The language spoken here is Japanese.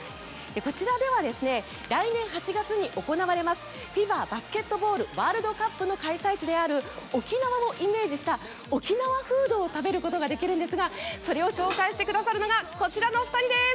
こちらでは来年８月に行われるＦＩＢＡバスケットボールワールドカップの開催地である沖縄をイメージした沖縄フードを食べることができるんですがそれを紹介してくださるのがこちらのお二人です！